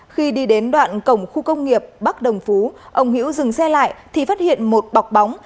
khi đi đến đoạn cổng khu công nghiệp bắc đồng phú ông hiễu dừng xe lại thì phát hiện một bọc bóng